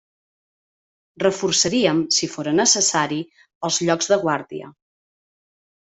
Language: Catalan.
Reforçaríem, si fóra necessari, els llocs de guàrdia.